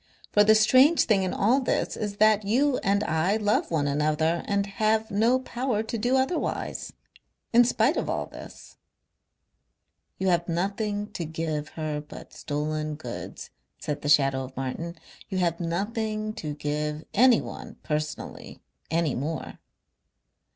For the strange thing in all this is that you and I love one another and have no power to do otherwise. In spite of all this. "You have nothing to give her but stolen goods," said the shadow of Martin. "You have nothing to give anyone personally any more....